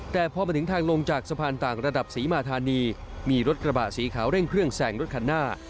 แต่พอมาถึงทางลงจากสะพานต่างระดับศรีมาธานีมีรถกระบะสีขาวเร่งเครื่องแสงรถคันหน้า